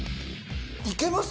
行けます？